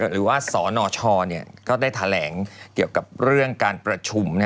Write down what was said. หรือว่าสนชก็ได้แถลงเกี่ยวกับเรื่องการประชุม